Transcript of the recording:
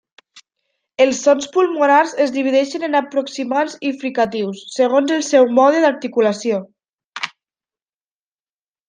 Els sons pulmonars es divideixen en aproximants i fricatius, segons el seu mode d'articulació.